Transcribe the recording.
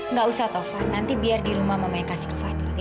nggak usah taufan nanti biar di rumah mamah yang kasih ke fadil ya